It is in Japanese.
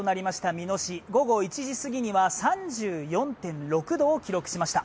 美濃市、午後１時すぎには３４．６度を記録しました。